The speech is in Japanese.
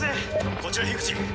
こちら口